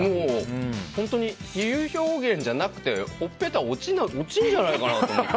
比喩表現じゃなくてほっぺた落ちるんじゃないかって。